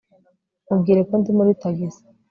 mubwire ko ndi muri tagisi